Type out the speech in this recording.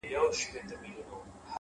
زه هم د هغوی اولاد يم؛